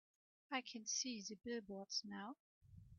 I can see the billboards now.